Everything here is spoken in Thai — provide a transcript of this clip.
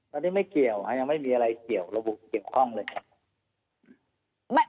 ตอนนี้ไม่เกี่ยวยังไม่มีอะไรเกี่ยวระบุเกี่ยวข้องเลยครับ